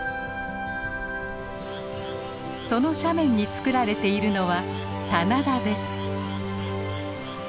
その斜面に作られているのは棚田です。